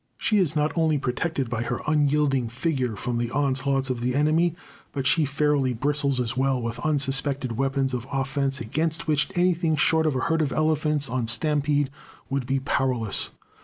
She is not only protected by her unyielding figure from the onslaughts of the enemy, but she fairly bristles as well with unsuspected weapons of offense against which anything short of a herd of elephants on stampede would be powerless.